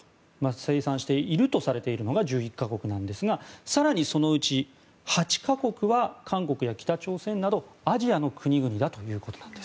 生産しているとされているのが１１か国なんですが更にそのうち８か国は韓国や北朝鮮などアジアの国々だということなんです。